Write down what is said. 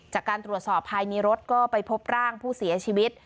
จากการตรวจสอบภายในรถก็ไปพบร่างผู้เสียชีวิต